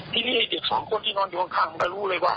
ทีนี้ไอ้เด็กสองคนที่นอนอยู่ข้างมันจะรู้เลยว่า